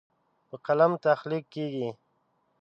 په قلم تخلیق کیږي.